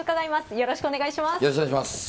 よろしくお願いします。